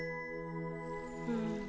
うん。